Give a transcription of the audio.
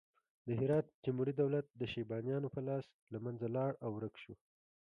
د هرات تیموري دولت د شیبانیانو په لاس له منځه لاړ او ورک شو.